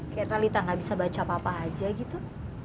kayak talitha gak bisa baca papa aja gitu